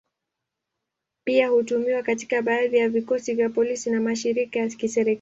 Pia hutumiwa katika baadhi ya vikosi vya polisi na mashirika ya kiserikali.